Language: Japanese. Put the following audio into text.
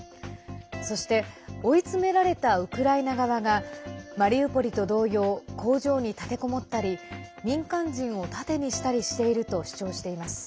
そして、追い詰められたウクライナ側がマリウポリと同様工場に立てこもったり民間人を盾にしたりしていると主張しています。